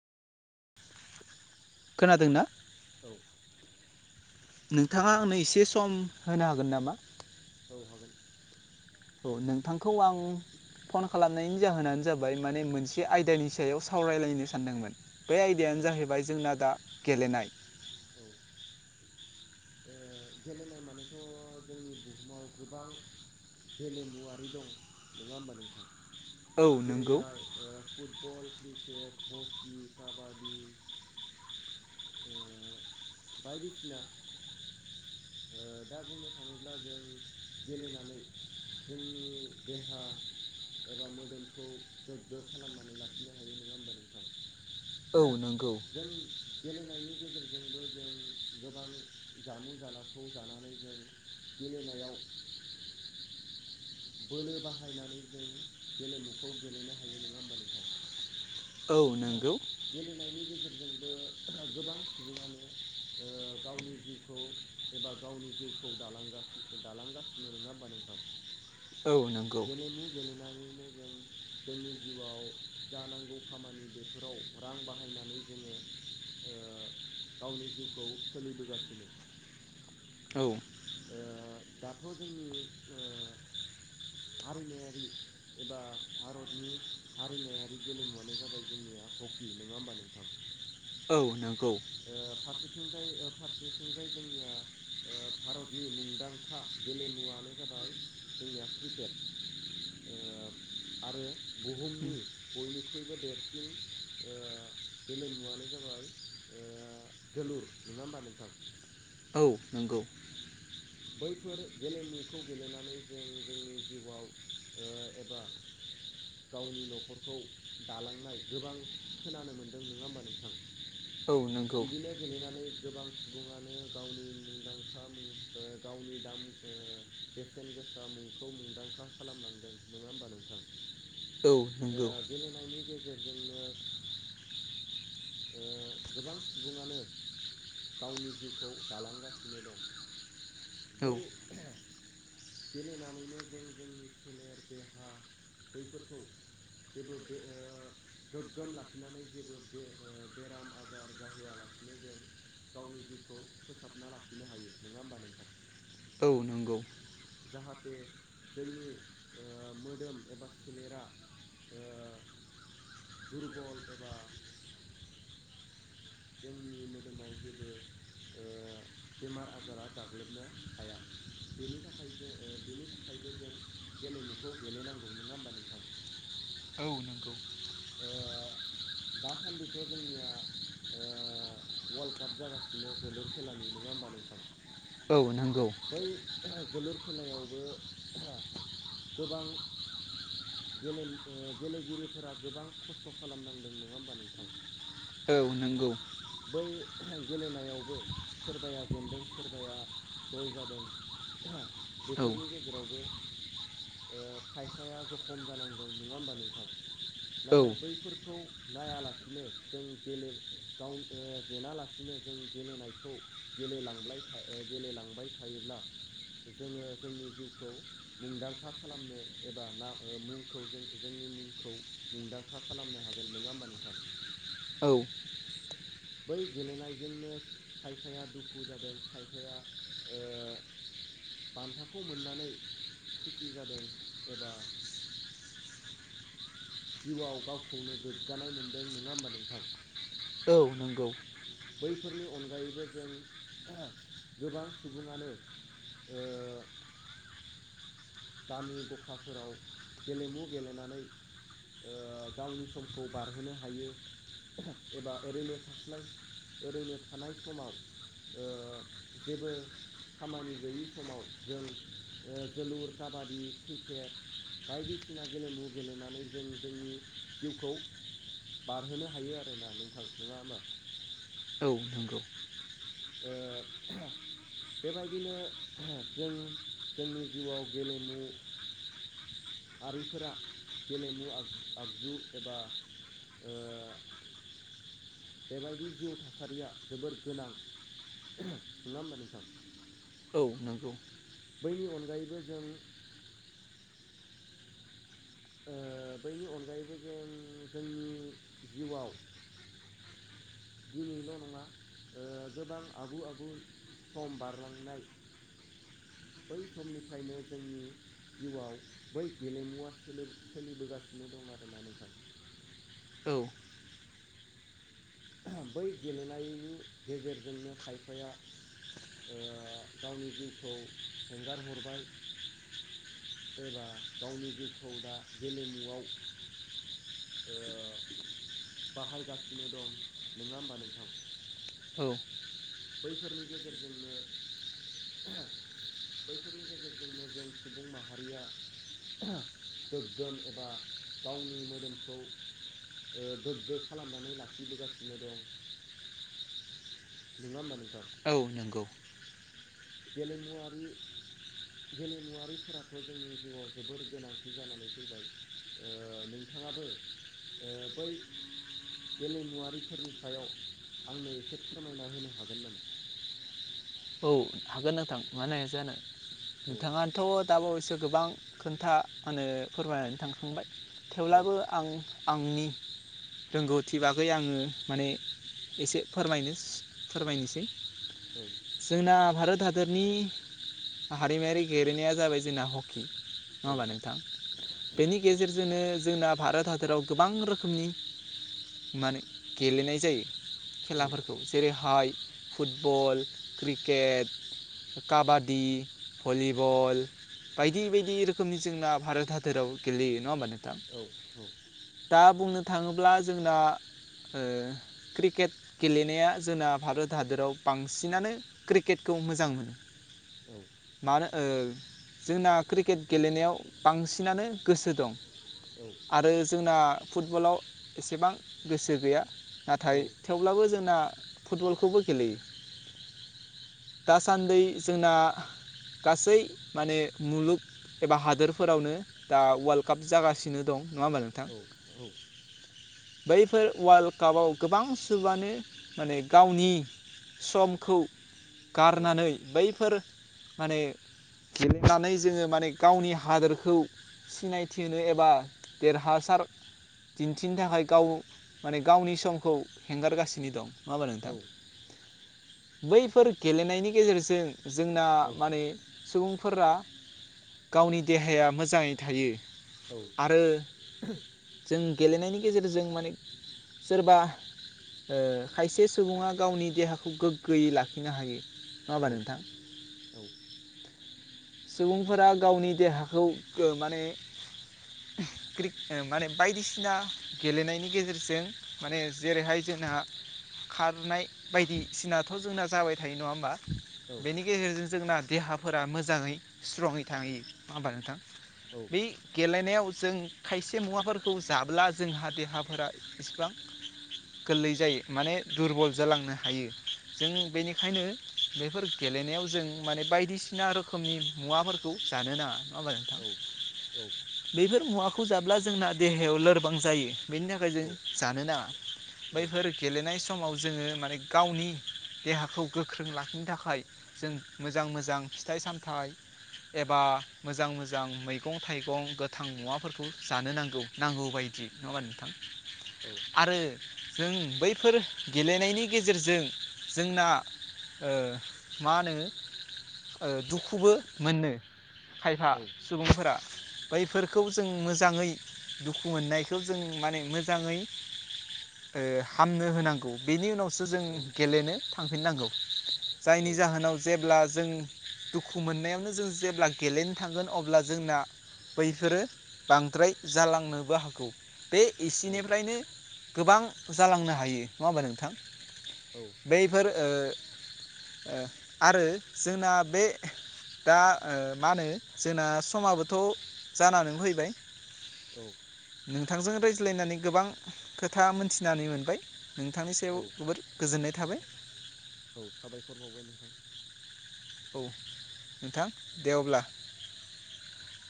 खोनादोंना? औ। नोंथाङा आंनो एसे सम होनो हागोन नामा? औ हागोन। औ नोंथांखौ आं फन खालामनायनि जाहोनानो जाबाय माने मोनसे आयदानि सायाव सावरायलायनो सानदोंमोन। बे औ आयदायानो जाहैबाय जोंना दा गेलेनाय। औ। ओ गेलेनाय मानेथ' जोंनि बुहुमाव गोबां गेलेमुवारि दं' नङा होमबा नोंथां? औ नंगौ जेरैहाय ओ फुटबल, क्रिकेट, हकि, काबादि ओ बायदिसिना ओ दा बुंनो थाङोब्ला जों गेलेनानै जोंनि देहा एबा मोदोमखौ गोग्गो खालामनानै लाखिनो हायो नोङा होमबा नोंथां? औ [unintelligible] नंगौ जों गेलेनायनि गेजेरजोंबो जों गोबां जामु जालाखौ जानानै जों गेलेनायाव बोलो बाहायनानै जों गेलेमुखौ गेलेनो हायो नोङा होमबा नोंथां? औ नोंगौ। गेलेनायनि गेजेरजोंबो [unintelligible] गोबां सुबुङानो ओ गावनि जिउखौ एबा गावनि जिउखौ दालांगासि दालांगासिनो नङा होमबा नोंथां? औ नंगौ गेलेमु गेलेनानैनो जों जोंनि जिउआव जानांगौ खामानि बेफोराव रां बाहायनानै जोङो ओ गावनि जिउखौ सोलिबोगासिनो। औ। ओ दाथ' जोंनि ओ हारिमायारि एबा भारतनि हारिमायारि गेलेमुवानो जाबाय जोंनिया हकि नोङा होमबा नोंथां? औ नोंगौ। ओ फारसेथिंजाय फारसेथिंजाय जोंनिया ओ भारतनि मुंदांखा गेलेमुवनो जाबाय जोंनिया क्रिकेट। ओ आरो बुहुमनि बयनिख्रुइबो देरसिन ओ गेलेमुवानो जाबाय जोलुर नङा होमबा नोंथां? औ नंगौ। बैफोर गेलेमुखौ गेलेनानै जों जोंनि जिउआव एबा गावनि न'खरखौ दालांनाय गोबां खोनानो मोन्दों नङा होमबा नोंथां? औ नंगौ। बिदिनो गेलेनानै गोबां सुबुङानो गावनि मुंदांखा मुं गावनि दाम ओ बेसेन गोसा मुंखौ मुंदांखा खालामनांदों नङा होमबा नोंथां? औ नंगौ गेलेनायनि गेजेरजोंनो ओ गोबां सुबुङानो गावनि जिउखौ दालांगासिनो दं। औ बै गेलेनानैनो जों जोंनि सोलेर देहा बैफोरखौ जेबो बे ओ गोग्गोम लाखिनानै जेबो बे बेराम आजार जाहोआलासिनो जों गावनि जिउखौ फोसाबना लाखिनो हायो नङा होमबा नोंथां। औ नंगौ। जाहाथे जोंनि मोदोम एबा सोलेरा ओ दुरबल एबा जोंनि मोदोमाव जेबो बेमार आजारा गाग्लोबनो हाया। बेनि थाखाय जों बेनि थाखायबो जों गेलेमुखौ गेलेनांगौ नङा होमबा नोंथां। औ नंगौ। ओ अ दासान्दिथ' जोंनिया ओ वाल्ड काप जागासिनो जोलुर खेलानि नङा होमबा नोंथां। औ नंगौ। बै जोलुर खेलायावबो गोबां गे गेलेगिरिफोरा गोबां खस्थ' खालामनांदों नङा होमबा नोंथां। औ नंगौ। बै गेलेनायावबो सोरबाया जेनदों सोरबाया जय जादों ओ औ बेफोरनि गेजेराव जेरावबो खायफाया जखम जानांदों नङा होमबा नोंथां। औ नाथाय बैफोरखौ नायालासिनो जों गेले गाव जेना लासिनो जों गेलेनायखौ गेले गेलेलां थांबाय थायोब्ला जोङो जोंनि जिउखौ मुंदांखा खालामनो एबा ना मुंखौ जों जोंनि मुंखौ मुंदांखा खालामनो हागोन नङा होमबा नोंथां औ। बै गेलेनायजोंनो खायफाया दुखु जादों खायफाया ओ बान्थाखौ मोननानै खुसि जादों एबा जिउआव गावखौनो गोग्गानाय मोनदों नङा होमबा नोंथां। औ नंगौ। बैफोरनि अनगायैबो जों गोबां सुबुङानो ओ गामि गखाफोराव गेलेमु गेलेनानै ओ गावनि समखौ बारहोनो हायो। एबा ओरैनो थास्लाय ओरैनो थानाय समाव जेबो खामानि गैयि समाव जों जोलुर काबादि क्रिकेट बायदिसिना गेलेमु गेलेनानै जों जोंनि जिउखौ बारहोनो हायो आरो ना नोंथां नङा होमबा? औ नंगौ। ओ बेबायदिनो जों जोंनि जिउआव गेलेमु आरिफोरा गेलेमु आग आगजु एबा ओ बेबायदि जिउ थासारिया जोबोर गोनां नङा होमबा नोंथां? औ नोंगौ। बैनि अनगायैबो जों बैनि अनगायैबो जों जोंनि जिउआव दिनैल' नङा गोबां आगु आगु सम बारलांनाय बै समनिफ्रायनो जोंनि जिउआव बै गेलेमुवा सोलिबोगासिनो दं आरोना नोंथां। औ बै गेलेनायनि गेजेरजोंनो खायफाया गावनि जिउखौ हेंगार हरबाय। एबा गावनि जिउखौ दा गेलेमुआव बाहायगासिनो दं नङा होमबा नोंथां? औ बैफोरनि गेजेरजोंनो बैफोरनि गेजेरजोंनो जों सुबुं माहारिया गोग्गोम एबा गावनि मोदोमखौ गोग्गो खालामनानै लाखिबोगासिनो दं। नङा होमबा नोंथां? औ नोंगौ। गेलेमुवारि गेलेमुवारिफोराथ' जोंनि जिउआव जोबोर गोनांथि जानानै फैबाय। नोंथाङाबो बै गेलेमुवारिफोरनि सायाव आंनो एसे फोरमायना होनो हागोन नामा? औ हागोन नोंथां मानो हाया जानो। औ नोंथाङा थ' दाबावैसो गोबां खोन्था मा होनो फोरमायनानै थांखांबाय औ थेवब्लाबो आं आंनि रोंगौथि बागै आङो माने एसे फोरमायनो फोरमायनोसै। औ जोंना भारत हादरनि हारिमायारि गेलेनाया जाबाय जोंना हकि। नङा होमबा नोंथां? बेनि गेजेरजोंनो जोंना मान गेलेनाय जायो औ औ खेलाफोरखौ जेरैहाय फुटबल, क्रिकेट, काबादि, भलिबल बायदि बायदि रोखोमनि जोंना भारत हादोराव गेलेयो नङा होमबा नोंथां? औ औ दा बुंनो थाङोब्ला जोंना ओ क्रिकेट गेलेनाया जोंना भारत हादराव बांसिनानो क्रिकेटखौ मोजां मोनो। औ मानो जोंना क्रिकेट गेलेनायाव बांसिनानो गोसो दं। औ आरो जोंना फुटबलाव एसेबां गोसो गैया औ नाथाय थेवब्लाबो जोंना फुटबलखौबो गेलेयो। दासान्दि जोंना गासै माने मुलुग एबा हादोरफोरावनो दा वाल्ड काप जागासिनो दं नङा होमबा नोंथां? औ बैफोर वाल्ड कापाव गोबां सुबानो माने गावनि समखौ औ गारनानै बैफोर माने गेलेनानै जोङो माने गावनि हादोरखौ सिनायथि होनो एबा देरहासार दिन्थिनो थाखाय गाव माने गावनि समखौ हेंगारगासिनो दं नङा होमबा नोंथां? बैफोर गेलेनायनि गेजेरजों जोंना माने सुबुंफोरा गावनि देहाया मोजाङै थायो औ आरो जों गेलेनायनि गेजेरजों माने सोरबा ओ खायसे सुबुङा गावनि देहाखौ गोग गोयै लाखिनो हायो नङा होमबा नोंथां? सुबुंफोरा गावनि देहाखौ माने माने बायदिसिना गेलेनायनि गेजेरजों माने जेरैहाय जोंहा खारनाय बायदिसिना थ' जोंना जाबाय थायो नङा होमबा बेनि गेजेरजों जोंना देहाफोरा मोजाङै स्ट्रङै थायो नङा होमबा नोंथां? बे गेलेनायाव जों खायसे मुवाफोरखौ जाब्ला जोंहा देहाफोरा इसिबां गोरलै जायो माने दुरबल जालांनो हायो। जों बेनिखायनो बेफोर गेलेनायाव जों माने बायदिसिना रोखोमनि मुवाफोर खौ जानो नाङा नङा होमबा नोंथां बेफोर मुवाखौ जाब्ला जोंना देहायाव लोरबां जायो। बेनि थाखाय जों औ जानो नाङा बैफोर गेलेनाय समाव जोङो माने गावनि देहाखौ गोख्रों लाखिनो थाखाय जों मोजां मोजां फिथाइ सामथाइ एबा मोजां मोजां मैगं थाइगं गोथां मुवाफोरखौ जानो नांगौ। नांगौ बायदि नङा होमबा नोंथां? औ आरो जों बैफोर गेलेनायनि गेजेरजों जोंना मा होनो दुखुबो ओ मोनो खायफा सुबुंफोरा बैफोरखौ जों मोजाङै दुखु मोननायखौ जों माने मोजाङै ओ हामनो होनांगौ बेनि उनावसो जों औ गेलेनो थांफिननांगौ जायनि जाहोनाव जेब्ला जों दुखु मोननायावनो जों जेब्ला गेलेनो थांगोन अब्ला जोंना बैफोरो बांद्राय जालांनोबो हागौ। बे एसिनिफ्रायनो गोबां जालांनो हायो नङा होमबा नोंथां? औ बैफोर ओ ओ आरो जोंना बे दा ओ मा होनो जोंना समाबोथ' जानानानै फैबाय औ नोंथांजों रायज्लायनानै गोबां खोथा मोनथिनानै मोनबाय नोंथांनि सायाव औ जोबोर गोजोननाय थाबाय। औ साबायखर बावबाय नोंथां। औ नोंथां दे अब्ला।